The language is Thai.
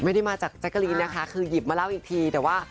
ไม่ได้มาจากแจ๊กกะรีนนะคะคือหยิบมาเล่าอีกทีแต่ว่า